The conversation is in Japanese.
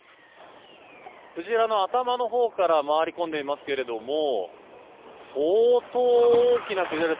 クジラの頭のほうから回り込んでいますけれども相当、大きなクジラです。